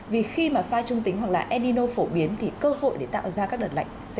vì khi mà pha trung tính hoặc là edino phổ biến thì cơ hội để tạo ra các đợt lạnh